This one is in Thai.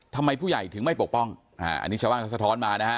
ทำไมผู้ใหญ่ถึงไม่ปกป้องอันนี้ชาวบ้านเขาสะท้อนมานะฮะ